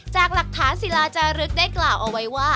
จากหลักฐานศิลาจารึกได้กล่าวเอาไว้ว่า